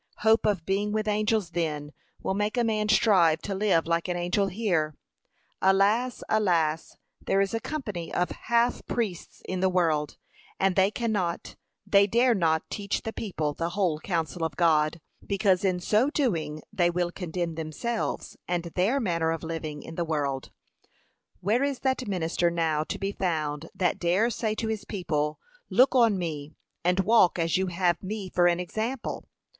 Hope of being with angels then, will make a man strive to live like an angel here. Alas! alas! there is a company of half priests in the world, and they cannot, they dare not teach the people the whole counsel of God, because in so doing they will condemn themselves and their manner of living in the world; where is that minister now to be found that dare say to his people, Look on me, and walk as you have me for an example?